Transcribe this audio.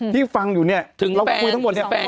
ที่ฟังอยู่นี่เราก็คุยทั้งหมดนี้